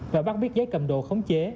và bắt biết giấy cầm đồ khống chế